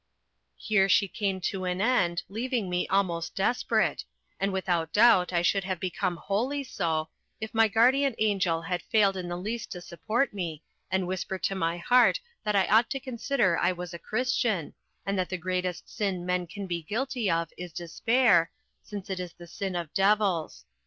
Here she came to an end, leaving me almost desperate; and without doubt I should have become wholly so, if my guardian angel had failed in the least to support me, and whisper to my heart that I ought to consider I was a Christian, and that the greatest sin men can be guilty of is despair, since it is the sin of devils.